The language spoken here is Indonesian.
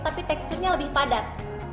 tapi teksturnya lebih padat